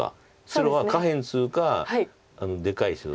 白は下辺ツグかでかい白。